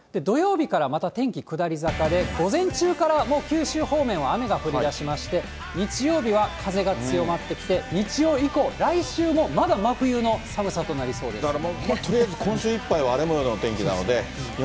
土曜日からまた天気下り坂で、午前中からもう、九州方面は雨が降りだしまして、日曜日は風が強まってきて、日曜以降、来週もまだ真冬の寒さとなりそうです。